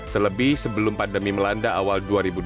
terlebih sebelum pandemi melanda awal dua ribu dua puluh